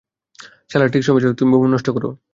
সালারা ঠিক সময়ে এসেছে, তুমি বোমা নষ্ট করো।